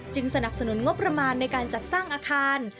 สนับสนุนงบประมาณในการจัดสร้างอาคาร